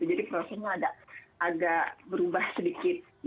jadi prosesnya agak berubah sedikit